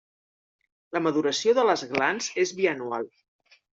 La maduració de les glans és bianual.